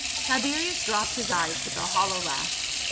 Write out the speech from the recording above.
Tiberius dropped his eyes with a hollow laugh.